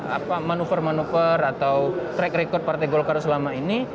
apa manuver manuver atau track record partai golkar selama ini